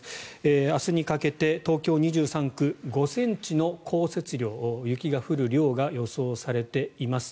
明日にかけて東京２３区５ｃｍの降雪量雪が降る量が予想されています。